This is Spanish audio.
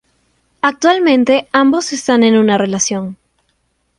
Actualmente ambos están en una relación.